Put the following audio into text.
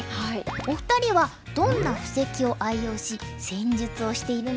お二人はどんな布石を愛用し戦術をしているんでしょうか。